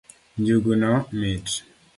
Njuguno mit